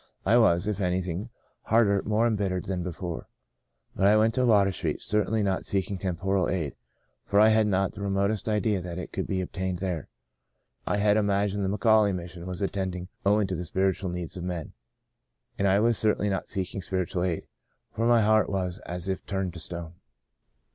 I was, if anything, harder, more embittered, than before. But I went to Water Street — certainly not seek ing temporal aid, for I had not the remotest idea that it could be obtained there. I had imagined the McAuley Mission as attending only to the spiritual needs of men. And I l82 The Second Spring was certainly not seeking spiritual aid, for my heart was as if turned to stone.